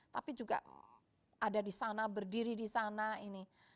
tapi juga ada di sana berdiri di sana ini